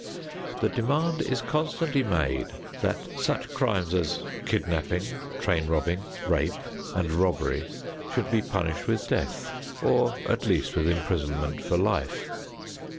The demand is constantly made that such crimes as kidnapping, train robbing, rape and robbery should be punished with death, or at least with imprisonment for life.